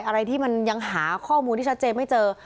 อะไรที่มันยังหาข้อมูลที่ชัดเจนไม่เจอ